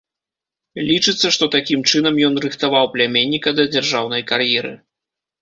Лічыцца, што такім чынам ён рыхтаваў пляменніка да дзяржаўнай кар'еры.